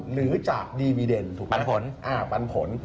หรือจากดีวิเดนปันผล